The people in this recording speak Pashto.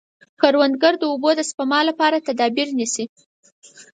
کروندګر د اوبو د سپما لپاره تدابیر نیسي